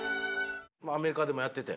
アメリカでもやってて。